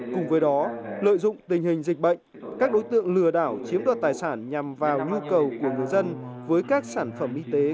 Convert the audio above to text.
cùng với đó lợi dụng tình hình dịch bệnh các đối tượng lừa đảo chiếm được tài sản nhằm vào nhu cầu của người dân với các sản phẩm y tế cũng là một lực lượng